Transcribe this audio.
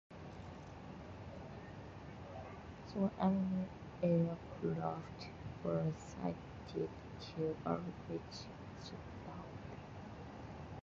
Three enemy aircraft were sighted, two of which she downed.